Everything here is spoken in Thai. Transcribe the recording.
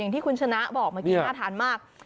อย่างที่คุณฉนะบอกเมื่อกี้มากทานมาก